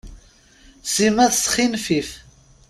Sima tesxinfif.